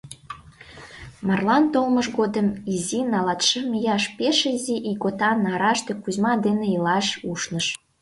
Марлан толмыж годым Изина латшым ияш, пеш изи ийготан нарашта Кузьма дене илаш ушныш.